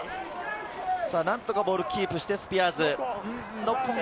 何とかボールをキープしてスピアーズ。